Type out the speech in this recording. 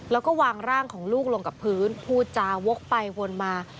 แล้วก็วางร่างของลูกลงกับพื้นพูดจาวกไปวนมา